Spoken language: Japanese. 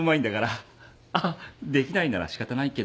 あっできないならしかたないけど。